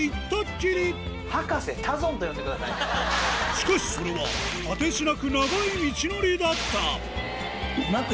しかしそれは果てしなく長い道のりだった